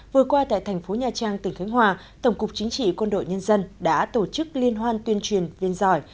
vừa qua tại tp nhcm tổng cục chính trị quân đội nhân dân đã tổ chức liên hoan tuyên truyền viên giỏi